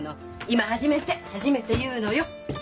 今初めて初めて言うのよ。